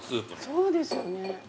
そうですよね。